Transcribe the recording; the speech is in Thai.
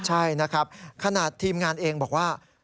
ใช่นะครับขนาดทีมงานเองบอกว่า